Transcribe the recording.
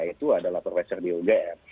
itu adalah profesor dio gere